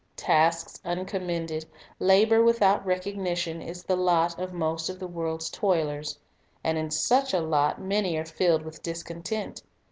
Tasks uncommended, labor without unrecognized recognition, is the lot of most of the world's toilers. And in such a lot many are filled with discontent.